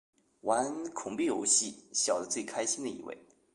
玩恐怖游戏笑得最开心的一位